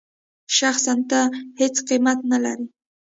شخصاً ته هېڅ قېمت نه لرې.